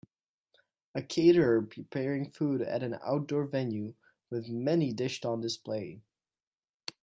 A caterer preparing food at an outdoor venue, with many dished on display.